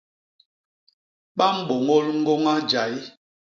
Ba mbôñôl ñgôña jay.